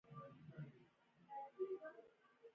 دا کار د سیاسي او کلتوري اختلافونو له امله شوی دی.